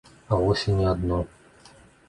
А вось і не адно.